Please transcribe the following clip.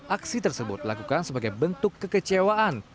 aksi tersebut dilakukan sebagai bentuk kekecewaan